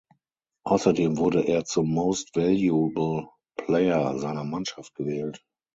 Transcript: Außerdem wurde er zum Most Valuable Player seiner Mannschaft gewählt.